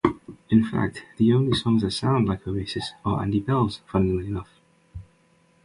In fact, the only songs that sound like Oasis are Andy Bell's funnily enough.